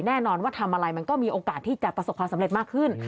แน่นอนว่าทำอะไรมันก็มีโอกาสที่จะประสบความสำเร็จมากขึ้น